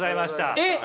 えっ！